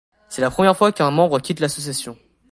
C'est la première fois qu'un membre quitte l'association.